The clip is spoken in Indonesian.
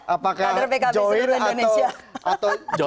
apakah joir atau